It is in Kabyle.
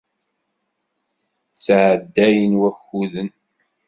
Ttɛeddayen wakuden.